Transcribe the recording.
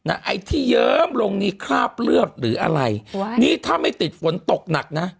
ไอ้ที่เยิ้มลงนี่คราบเลือดหรืออะไรนี่ถ้าไม่ติดฝนตกหนักนะ